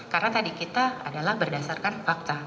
karena tadi kita adalah berdasarkan fakta